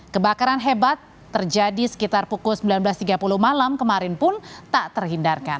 kebakaran hebat terjadi sekitar pukul sembilan belas tiga puluh malam kemarin pun tak terhindarkan